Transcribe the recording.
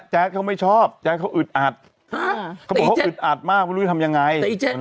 แจ๊กเขาไม่ชอบแจ๊กเขาอืดอัดเขาอืดอัดมากไม่รู้ว่าจะทำยังไง